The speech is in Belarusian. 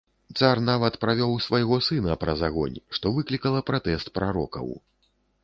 Цар нават правёў свайго сына праз агонь, што выклікала пратэст прарокаў.